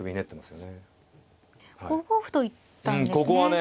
５五歩と行ったんですね。